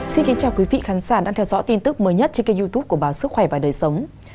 xin kính chào quý vị khán giả đang theo dõi tin tức mới nhất trên kênh youtube của báo sức khỏe và đời sống